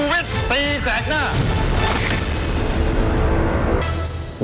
ไม่หวนอื่นกับทางยานเดียวชูเว็ดตีแสดหน้า